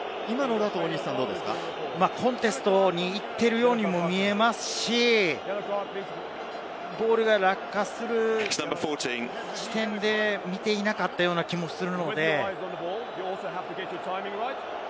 コンテストに行っているようにも見えますし、ボールが落下する地点で見ていなかったような気もするので。